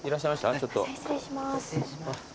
失礼します。